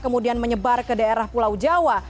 kemudian menyebar ke daerah pulau jawa